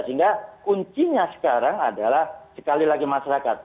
sehingga kuncinya sekarang adalah sekali lagi masyarakat